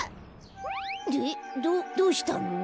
どどうしたの？